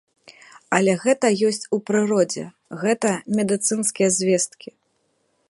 Але гэта ёсць у прыродзе, гэта медыцынскія звесткі.